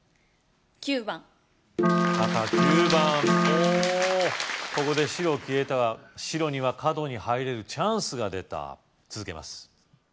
９番赤９番ほうここで白消えた白には角に入れるチャンスが出た続けます